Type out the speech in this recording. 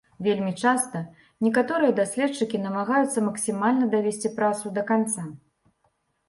Вельмі часта некаторыя даследчыкі намагаюцца максімальна давесці працу да канца.